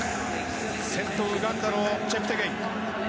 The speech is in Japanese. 先頭、ウガンダのチェプテゲイ。